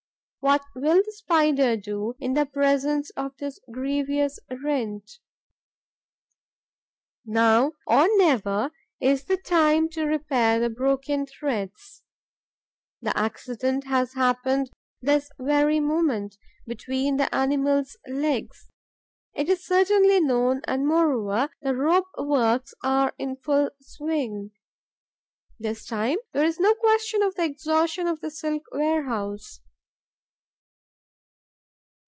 What will the spider do in the presence of this grievous rent? Now or never is the time to repair the broken threads: the accident has happened this very moment, between the animal's legs; it is certainly known and, moreover, the rope works are in full swing. This time there is no question of the exhaustion of the silk warehouse.